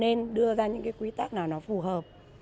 nên đưa ra những cái quy tắc nào nó phù hợp